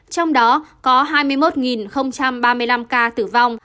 trong đó có hai mươi một ba mươi năm ca tử vong